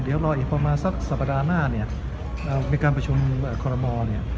เดี๋ยวรออีกประมาณสักสัปดาห์หน้าเนี่ยในการประชุมคอรมอลเนี่ย